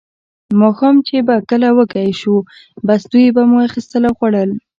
ماښام چې به کله وږي شوو، بس دوی به مو اخیستل او خوړل.